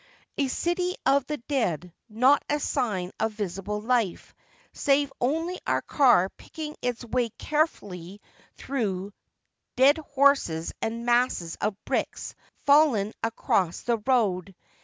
A city of the dead — not a sign of visible life, save only our car picking its way carefully through dead horses and masses of bricks fallen across the road.